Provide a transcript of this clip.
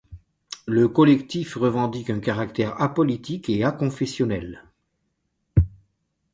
Le Collectif revendique un caractère apolitique et aconfessionnel.